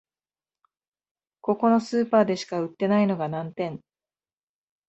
ここのスーパーでしか売ってないのが難点